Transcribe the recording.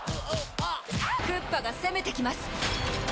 クッパが攻めてきます！